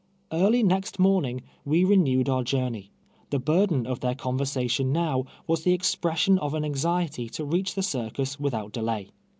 Early next morning we renewed our journey. Tlie burden of their conversation now was the expression of an anxiety to reach the circus without delay.